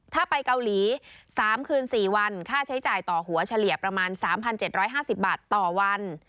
ถ้าไปเกาหลี๓คืน๔วันค่าใช้จ่ายต่อหัวเฉลี่ยประมาณ๓๗๕๐บาทต่อวัน